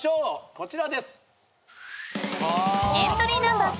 こちらです。